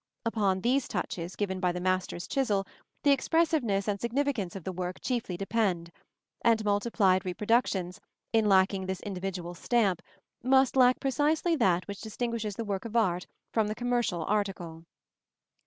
Upon these touches, given by the master's chisel, the expressiveness and significance of the work chiefly depend; and multiplied reproductions, in lacking this individual stamp, must lack precisely that which distinguishes the work of art from the commercial article.